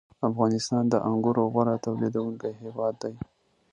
• افغانستان د انګورو غوره تولیدوونکی هېواد دی.